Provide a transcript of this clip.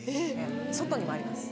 外にもあります。